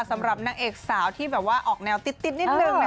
สำหรับนางเอกสาวที่แบบว่าออกแนวติ๊ดนิดนึง